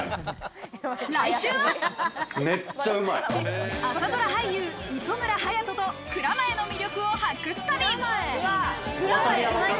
来週は、朝ドラ俳優・磯村勇斗と蔵前の魅力を発掘旅。